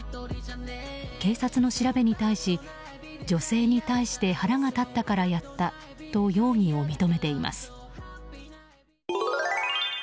警察の調べに対し、女性に対して腹が立ったからやったと容疑を認めています。